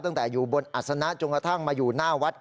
ตั้งแต่อยู่บนอัศนะจนกระทั่งมาอยู่หน้าวัด